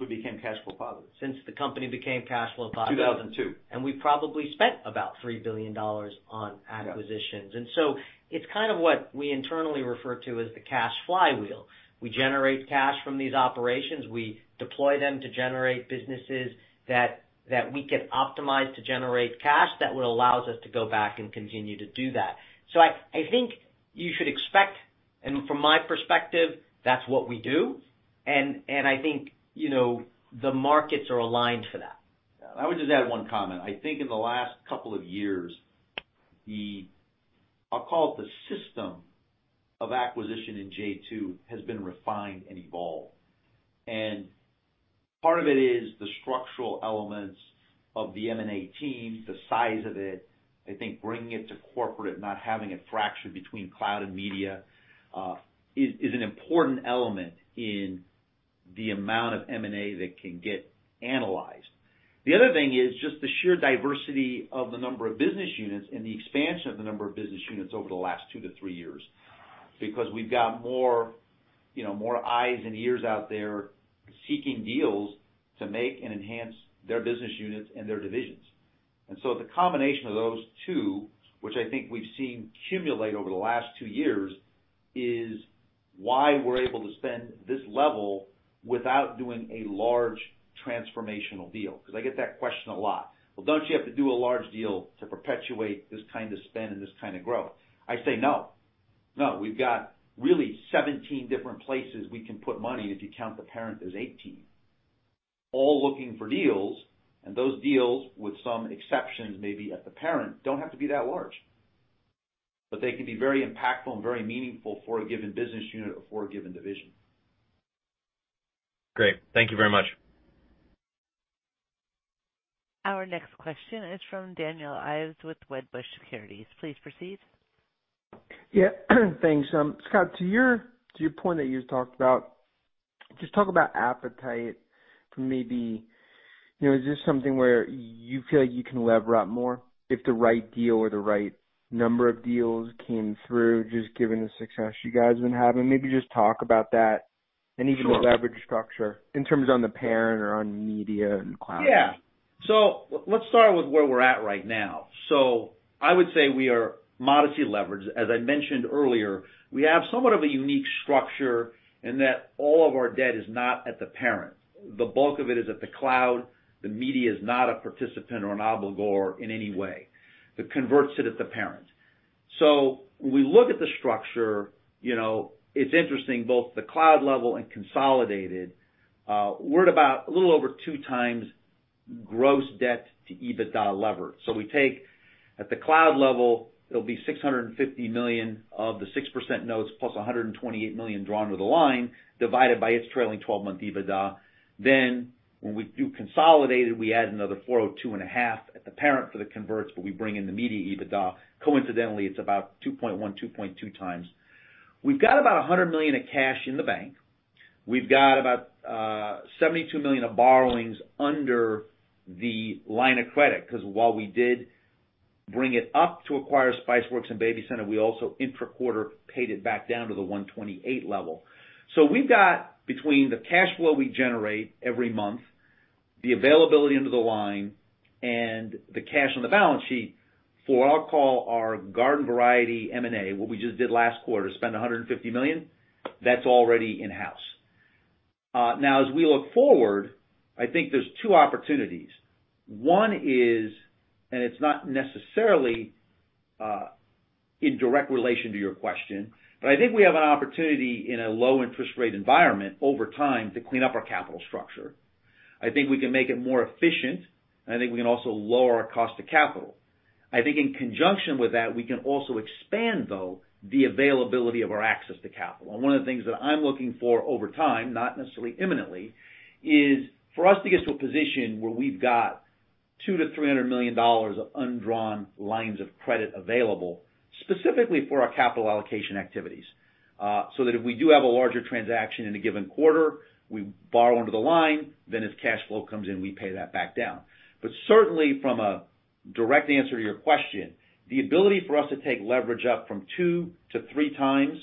we became cash flow positive. Since the company became cash flow positive. 2002. We've probably spent about $3 billion on acquisitions. Yeah. It's kind of what we internally refer to as the cash flywheel. We generate cash from these operations. We deploy them to generate businesses that we can optimize to generate cash that will allow us to go back and continue to do that. I think you should expect, and from my perspective, that's what we do. I think the markets are aligned for that. I would just add one comment. I think in the last couple of years, I'll call it the system of acquisition in J2, has been refined and evolved. Part of it is the structural elements of the M&A team, the size of it. I think bringing it to corporate, not having it fractured between cloud and media, is an important element in the amount of M&A that can get analyzed. The other thing is just the sheer diversity of the number of business units and the expansion of the number of business units over the last two to three years. We've got more eyes and ears out there seeking deals to make and enhance their business units and their divisions. The combination of those two, which I think we've seen cumulate over the last two years, is why we're able to spend this level without doing a large transformational deal. Because I get that question a lot. "Well, don't you have to do a large deal to perpetuate this kind of spend and this kind of growth?" I say, no. We've got really 17 different places we can put money, if you count the parent as 18, all looking for deals, and those deals, with some exceptions, maybe at the parent, don't have to be that large. They can be very impactful and very meaningful for a given business unit or for a given division. Great. Thank you very much. Our next question is from Daniel Ives with Wedbush Securities. Please proceed. Yeah. Thanks. Scott, to your point that you talked about, just talk about appetite for maybe, is this something where you feel like you can lever up more if the right deal or the right number of deals came through, just given the success you guys have been having? Maybe just talk about that. Sure Even the leverage structure in terms on the parent or on media and cloud. Let's start with where we're at right now. I would say we are modestly leveraged. As I mentioned earlier, we have somewhat of a unique structure in that all of our debt is not at the parent. The bulk of it is at the cloud. The media is not a participant or an obligor in any way. It converts it at the parent. When we look at the structure, it's interesting, both the cloud level and consolidated, we're at about a little over 2 times gross debt to EBITDA lever. We take at the cloud level, it'll be $650 million of the 6% notes plus $128 million drawn to the line, divided by its trailing 12-month EBITDA. When we do consolidated, we add another $402 and a half at the parent for the converts, but we bring in the media EBITDA. Coincidentally, it's about 2.1, 2.2 times. We've got about $100 million of cash in the bank. We've got about $72 million of borrowings under the line of credit. While we did bring it up to acquire Spiceworks and BabyCenter, we also intra-quarter paid it back down to the 128 level. We've got between the cash flow we generate every month, the availability under the line, and the cash on the balance sheet for what I'll call our garden variety M&A, what we just did last quarter, spend $150 million. That's already in-house. As we look forward, I think there's two opportunities. One is, it's not necessarily in direct relation to your question, I think we have an opportunity in a low interest rate environment over time to clean up our capital structure. I think we can make it more efficient, and I think we can also lower our cost to capital. I think in conjunction with that, we can also expand, though, the availability of our access to capital. One of the things that I'm looking for over time, not necessarily imminently, is for us to get to a position where we've got $2 million-$300 million of undrawn lines of credit available specifically for our capital allocation activities. That if we do have a larger transaction in a given quarter, we borrow under the line, then as cash flow comes in, we pay that back down. Certainly from a direct answer to your question, the ability for us to take leverage up from two to three times,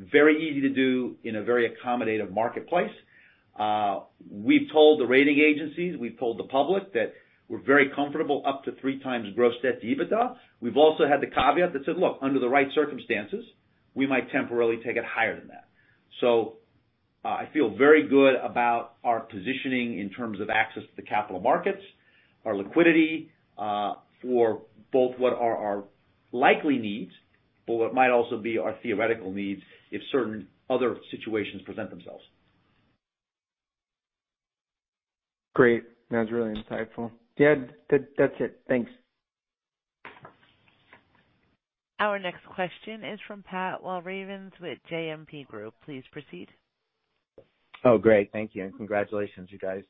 very easy to do in a very accommodative marketplace. We've told the rating agencies, we've told the public that we're very comfortable up to three times gross debt to EBITDA. We've also had the caveat that said, "Look, under the right circumstances, we might temporarily take it higher than that." I feel very good about our positioning in terms of access to capital markets, our liquidity, for both what are our likely needs, but what might also be our theoretical needs if certain other situations present themselves. Great. That was really insightful. Yeah, that's it. Thanks. Our next question is from Pat Walravens with JMP Group. Please proceed. Oh, great. Thank you, and congratulations, you guys.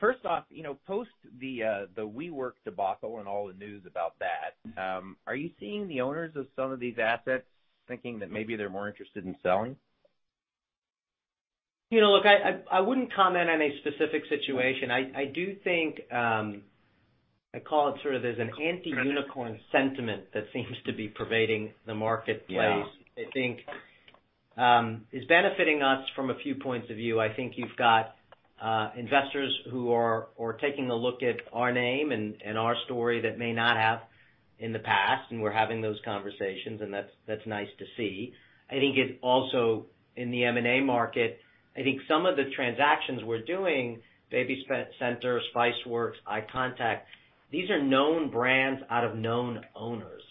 First off, post the WeWork debacle and all the news about that, are you seeing the owners of some of these assets thinking that maybe they're more interested in selling? Look, I wouldn't comment on a specific situation. I do think, I call it sort of there's an anti-unicorn sentiment that seems to be pervading the marketplace. Yeah I think is benefiting us from a few points of view. I think you've got investors who are taking a look at our name and our story that may not have in the past, and we're having those conversations, and that's nice to see. I think it also, in the M&A market, I think some of the transactions we're doing, BabyCenter, Spiceworks, iContact, these are known brands out of known owners.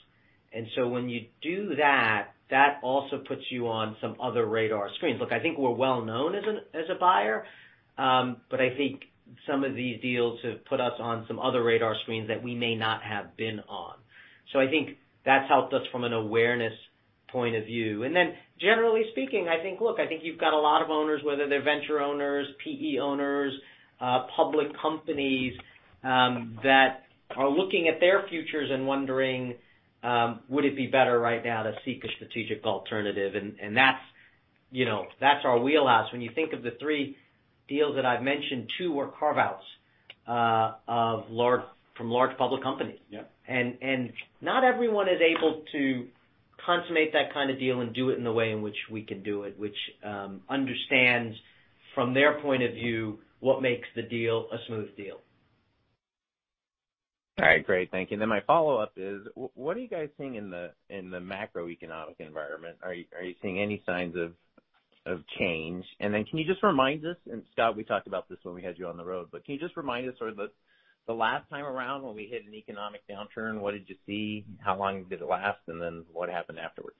When you do that also puts you on some other radar screens. Look, I think we're well-known as a buyer. I think some of these deals have put us on some other radar screens that we may not have been on. I think that's helped us from an awareness point of view. Generally speaking, I think, look, I think you've got a lot of owners, whether they're venture owners, PE owners, public companies. Are looking at their futures and wondering, would it be better right now to seek a strategic alternative? That's our wheelhouse. When you think of the three deals that I've mentioned, two were carve-outs from large public companies. Yeah. Not everyone is able to consummate that kind of deal and do it in the way in which we can do it. Which understands from their point of view, what makes the deal a smooth deal. All right, great. Thank you. My follow-up is, what are you guys seeing in the macroeconomic environment? Are you seeing any signs of change? Can you just remind us, Scott, we talked about this when we had you on the road, can you just remind us sort of the last time around when we hit an economic downturn, what did you see? How long did it last, what happened afterwards?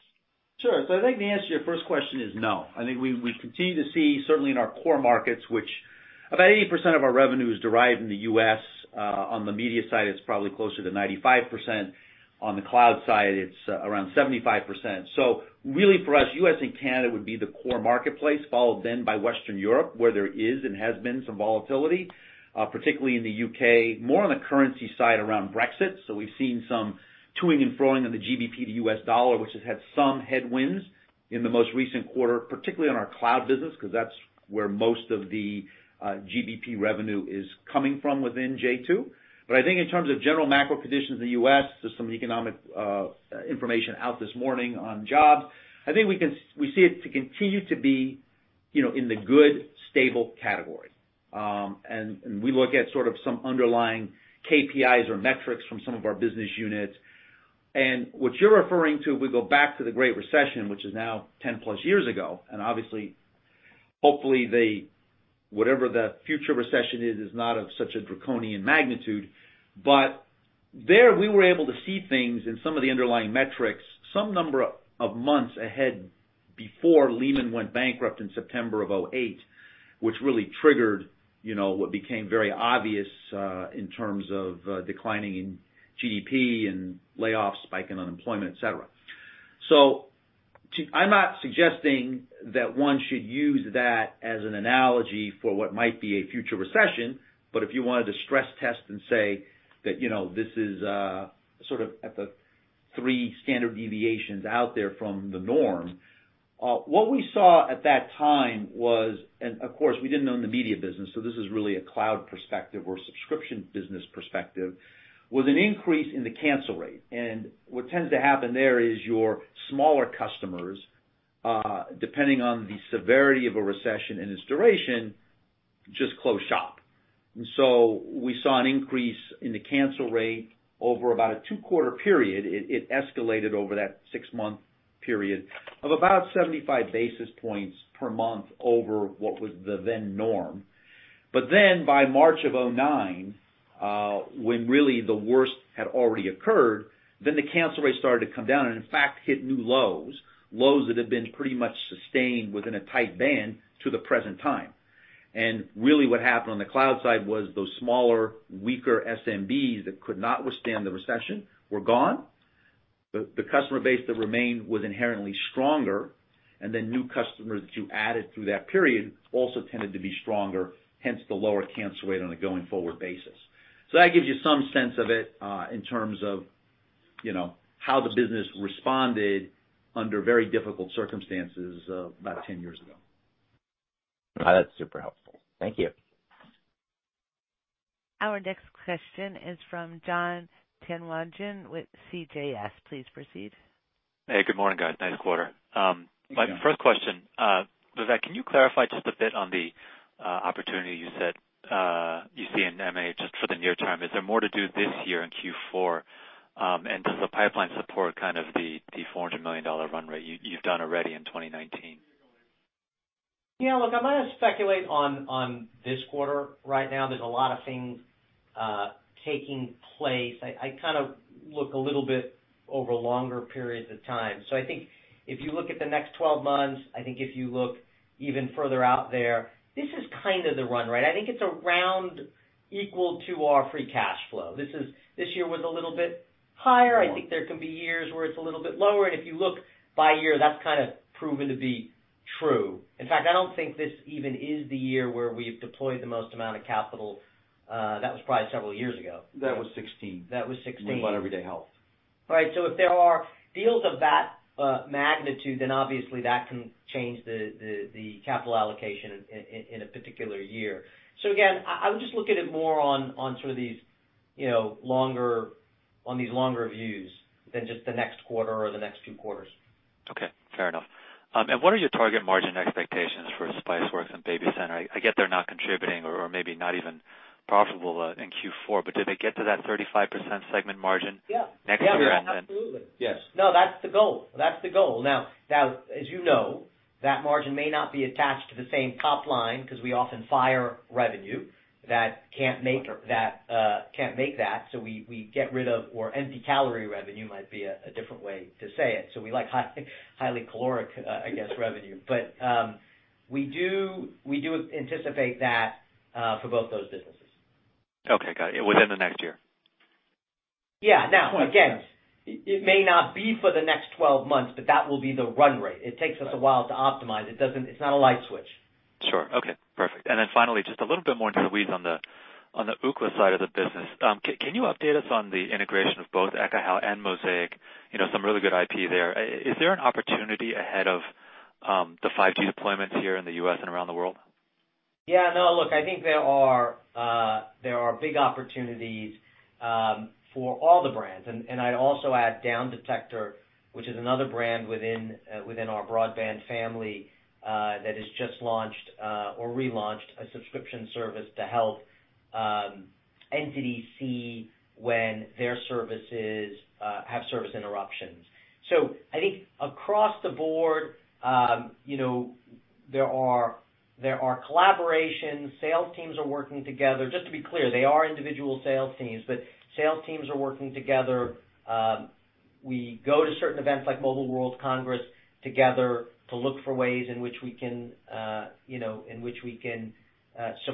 Sure. I think the answer to your first question is no. I think we continue to see, certainly in our core markets, which about 80% of our revenue is derived in the U.S. On the media side, it's probably closer to 95%. On the cloud side, it's around 75%. Really for us, U.S. and Canada would be the core marketplace, followed then by Western Europe, where there is and has been some volatility. Particularly in the U.K., more on the currency side around Brexit. We've seen some toing and froing on the GBP to U.S. dollar, which has had some headwinds in the most recent quarter, particularly on our cloud business, because that's where most of the GBP revenue is coming from within j2. I think in terms of general macro conditions in the U.S., there's some economic information out this morning on jobs. I think we see it to continue to be in the good, stable category. We look at sort of some underlying KPIs or metrics from some of our business units. What you're referring to, we go back to the Great Recession, which is now 10 plus years ago. Obviously, hopefully, whatever the future recession is not of such a draconian magnitude. There, we were able to see things in some of the underlying metrics, some number of months ahead before Lehman went bankrupt in September of 2008, which really triggered what became very obvious, in terms of declining in GDP and layoffs, spike in unemployment, et cetera. I'm not suggesting that one should use that as an analogy for what might be a future recession. If you wanted to stress test and say that this is sort of at the three standard deviations out there from the norm. What we saw at that time was, of course, we didn't own the media business, so this is really a cloud perspective or subscription business perspective, was an increase in the cancel rate. What tends to happen there is your smaller customers, depending on the severity of a recession and its duration, just close shop. We saw an increase in the cancel rate over about a two-quarter period. It escalated over that six-month period of about 75 basis points per month over what was the then norm. By March of 2009, when really the worst had already occurred, then the cancel rate started to come down and, in fact, hit new lows. Lows that had been pretty much sustained within a tight band to the present time. Really what happened on the cloud side was those smaller, weaker SMBs that could not withstand the recession were gone. The customer base that remained was inherently stronger, new customers that you added through that period also tended to be stronger, hence the lower cancel rate on a going forward basis. That gives you some sense of it, in terms of how the business responded under very difficult circumstances about 10 years ago. That's super helpful. Thank you. Our next question is from Jonathan Tanwanteng with CJS Securities. Please proceed. Hey, good morning, guys. Nice quarter. My first question. Vivek, can you clarify just a bit on the opportunity you said, you see in MA just for the near term? Is there more to do this year in Q4? Does the pipeline support kind of the $400 million run rate you've done already in 2019? Yeah, look, I'm going to speculate on this quarter. Right now, there's a lot of things taking place. I kind of look a little bit over longer periods of time. I think if you look at the next 12 months, I think if you look even further out there, this is kind of the run rate. I think it's around equal to our free cash flow. This year was a little bit higher. I think there can be years where it's a little bit lower. If you look by year, that's kind of proven to be true. In fact, I don't think this even is the year where we've deployed the most amount of capital. That was probably several years ago. That was 2016. That was 2016. We bought Everyday Health. Right. If there are deals of that magnitude, obviously that can change the capital allocation in a particular year. Again, I would just look at it more on sort of these longer views than just the next quarter or the next two quarters. Okay. Fair enough. What are your target margin expectations for Spiceworks and BabyCenter? I get they're not contributing or maybe not even profitable in Q4, but do they get to that 35% segment margin next year? Yeah. Absolutely. Yes. No, that's the goal. As you know, that margin may not be attached to the same top line because we often fire revenue that can't make that. We get rid of or empty calorie revenue might be a different way to say it. We like highly caloric, I guess, revenue. We do anticipate that for both those businesses. Okay, got it. Within the next year? Yeah. Now, again, it may not be for the next 12 months, but that will be the run rate. It takes us a while to optimize. It's not a light switch. Sure. Okay, perfect. Finally, just a little bit more in detail, [Louise], on the Ookla side of the business. Can you update us on the integration of both Ekahau and Mosaic? Some really good IP there. Is there an opportunity ahead of the 5G deployments here in the U.S. and around the world? Yeah, no, look, I think there are big opportunities for all the brands. I'd also add DownDetector, which is another brand within our broadband family, that has just launched or relaunched a subscription service to help entities see when their services have service interruptions. I think across the board, there are collaborations, sales teams are working together. Just to be clear, they are individual sales teams, but sales teams are working together. We go to certain events like Mobile World Congress together to look for ways in which we can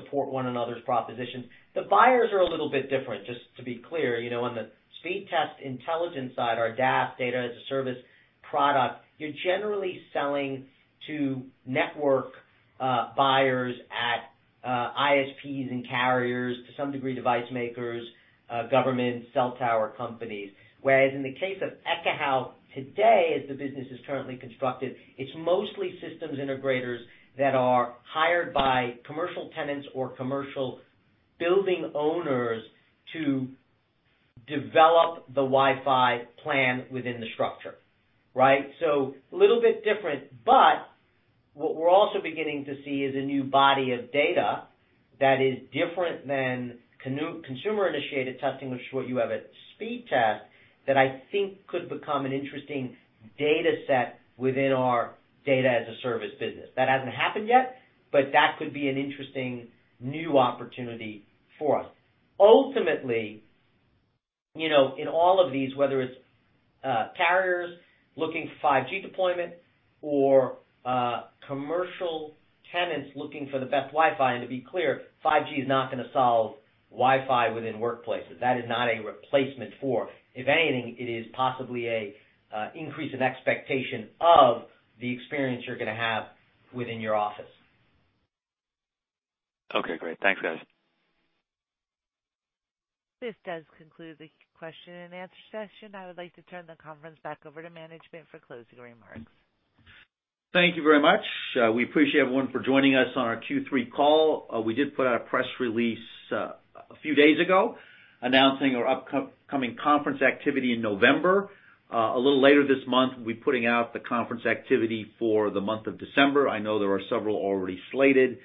support one another's propositions. The buyers are a little bit different, just to be clear. On the Speedtest Intelligence side, our DaaS, Data as a Service product, you're generally selling to network buyers at ISPs and carriers, to some degree, device makers, governments, cell tower companies. Whereas in the case of Ekahau today, as the business is currently constructed, it's mostly systems integrators that are hired by commercial tenants or commercial building owners to develop the Wi-Fi plan within the structure. Right? A little bit different, but what we're also beginning to see is a new body of data that is different than consumer-initiated testing, which is what you have at Speedtest, that I think could become an interesting data set within our Data as a Service business. That hasn't happened yet, but that could be an interesting new opportunity for us. Ultimately, in all of these, whether it's carriers looking for 5G deployment or commercial tenants looking for the best Wi-Fi, and to be clear, 5G is not going to solve Wi-Fi within workplaces. That is not a replacement for. If anything, it is possibly an increase in expectation of the experience you're going to have within your office. Okay, great. Thanks, guys. This does conclude the question and answer session. I would like to turn the conference back over to management for closing remarks. Thank you very much. We appreciate everyone for joining us on our Q3 call. We did put out a press release a few days ago announcing our upcoming conference activity in November. A little later this month, we'll be putting out the conference activity for the month of December. I know there are several already slated,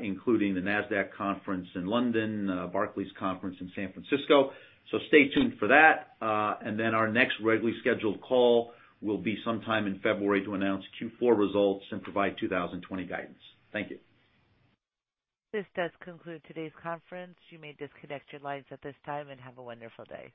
including the Nasdaq conference in London, Barclays conference in San Francisco. Stay tuned for that. Our next regularly scheduled call will be sometime in February to announce Q4 results and provide 2020 guidance. Thank you. This does conclude today's conference. You may disconnect your lines at this time, and have a wonderful day.